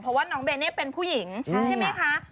เพราะว่าน้องเบเน่เป็นผู้หญิงใช่ไหมคะ